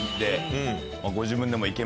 ご自分でも。